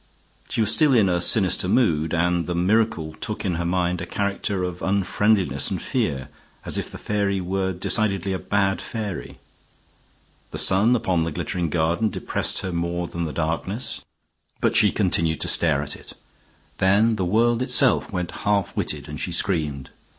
She was still in a sinister mood, and the miracle took in her mind a character of unfriendliness and fear, as if the fairy were decidedly a bad fairy. The sun upon the glittering garden depressed her more than the darkness, but she continued to stare at it. Then the world itself went half witted and she screamed.